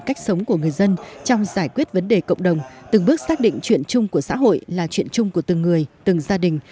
cách sống của người dân trong giải quyết vấn đề cộng đồng từng bước xác định chuyện chung của xã hội là chuyện chung của từng người từng gia đình